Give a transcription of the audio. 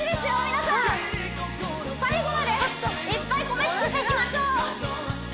皆さん最後までいっぱい米作っていきましょう